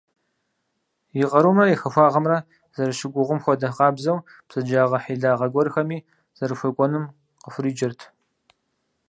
И къарумрэ и хахуагъэмрэ зэрыщыгугъым хуэдэ къабзэу, бзаджагъэ–хьилагъэ гуэрхэми зэрыхуекӀуэным къыхуриджэрт.